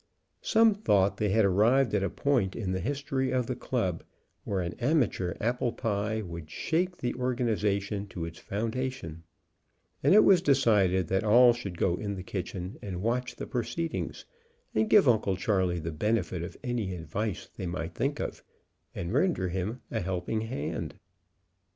Some thought they had arrived at a point in the history of the club where an amateur apple pie would shake the organization to its foun dation, and it was decided that all should go in the kitchen and watch the proceedings, and give Uncle 140 HOW UNCLE CHARLEY MADE AN APPLE PIE Charley the benefit of any advice they might think of, and render him a helping hand.